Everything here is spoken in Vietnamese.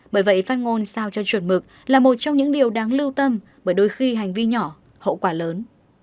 bởi vậy phát ngôn sao cho chuẩn mực là một trong những điều đáng lưu tâm bởi đôi khi hành vi nhỏ hậu quả lớn